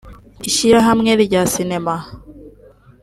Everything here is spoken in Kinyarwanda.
ishyirahamwe rya Sinema